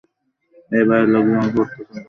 এই বাড়ির লোকজন আমাকে অত্যাচারের জন্য উঠে পড়ে লেগেছে।